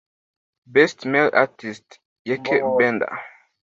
Best Male artist – Ykee Benda